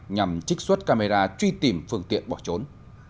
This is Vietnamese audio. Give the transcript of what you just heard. nhằm trích xuất camera truy tìm phương tiện bỏ trốn